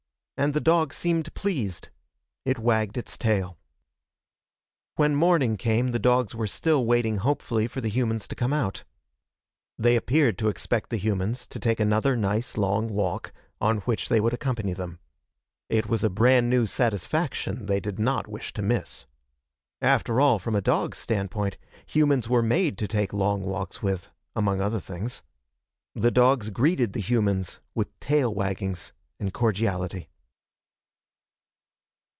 And the dog seemed pleased. It wagged its tail. When morning came the dogs were still waiting hopefully for the humans to come out. They appeared to expect the humans to take another nice long walk, on which they would accompany them. It was a brand new satisfaction they did not wish to miss. After all, from a dog's standpoint, humans were made to take long walks with, among other things. The dogs greeted the humans with tail waggings and cordiality.